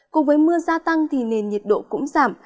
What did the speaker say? cùng với mưa gia tăng thì nền nhiệt độ cũng giảm